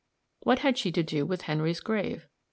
What had she to do with Henry's grave?